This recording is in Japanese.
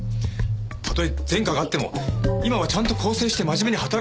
たとえ前科があっても今はちゃんと更生して真面目に働いてるんです。